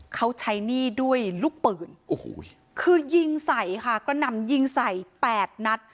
เขาใช้หนี้ด้วยลูกปืนโอ้โหคือยิงใส่ค่ะกระหน่ำยิงใส่๘นัด